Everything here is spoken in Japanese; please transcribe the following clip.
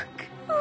あ。